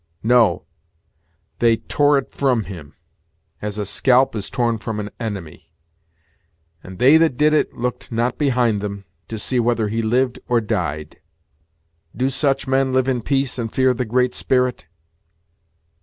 No; they tore it front him, as a scalp is torn from an enemy; and they that did it looked not behind them, to see whether he lived or died. Do such men live in peace and fear the Great Spirit?"